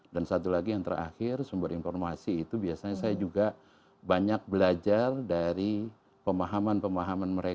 dan satu lagi yang terakhir sumber informasi itu biasanya saya juga banyak belajar dari pemahaman pemahaman